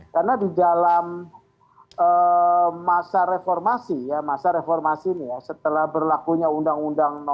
karena di dalam masa reformasi ya masa reformasi ini ya setelah berlakunya undang undang nomor dua tahun dua ribu